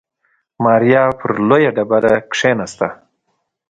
ماريا پر لويه ډبره کېناسته.